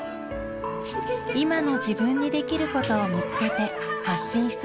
今の自分にできることを見つけて発信し続けています。